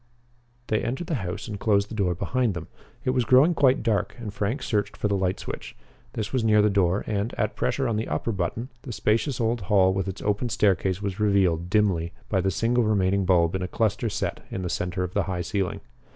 They entered the house and closed the door behind them. It was growing quite dark and Frank searched for the light switch. This was near the door, and, at pressure on the upper button, the spacious old hall with its open staircase was revealed dimly by the single remaining bulb in a cluster set in the center of the high ceiling.